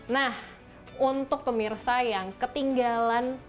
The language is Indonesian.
nah untuk pemirsa yang ketinggalan